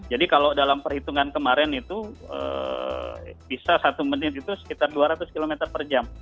jadi kalau dalam perhitungan kemarin itu bisa satu menit itu sekitar dua ratus km per jam